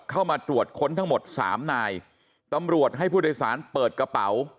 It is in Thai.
เข้ามาตรวจค้นทั้งหมดสามนายตำรวจให้ผู้โดยสารเปิดกระเป๋า